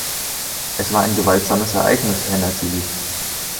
„Es war ein gewaltsames Ereignis“, erinnert sie sich.